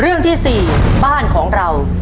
เรื่องที่๔บ้านของเรา